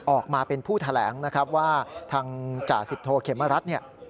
ออกมาเป็นผู้แถลงว่าทางจ่าสิบโทเขมรัฐ